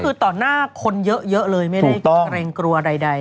คือต่อหน้าคนเยอะเลยไม่ได้เกรงกลัวใด